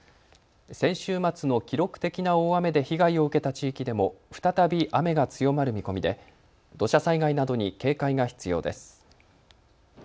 先週末の記録的な大雨で被害を受けた地域でも再び雨が強まる見込みで土砂災害などに警戒が必要です。